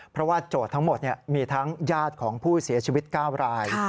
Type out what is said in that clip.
เพราะว่าโจทย์ทั้งหมดมีทั้งญาติของผู้เสียชีวิต๙ราย